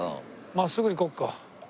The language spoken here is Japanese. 真っすぐ行こうか。